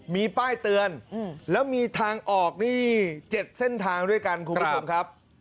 มีป้ายเตือนแล้วมีทางออกนี่๗เส้นทางด้วยกันคุณผู้ชมครับ